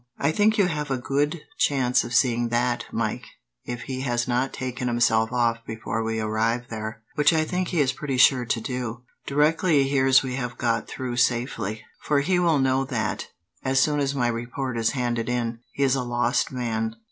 "I think you have a good chance of seeing that, Mike, if he has not taken himself off before we arrive there; which I think he is pretty sure to do, directly he hears we have got through safely; for he will know that, as soon as my report is handed in, he is a lost man."